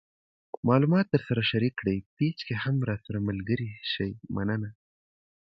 معلومات د درسره شیر کړئ پیج کې هم راسره ملګري شئ مننه